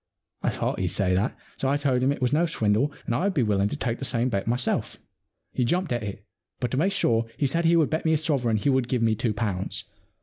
I thought he'd say that. So I told him that it was no swindle and I would be quite willing to take the same bet myself. He jumped at it, but to make sure he said he would bet me a sovereign he would give me two pounds.